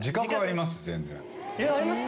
ありますか？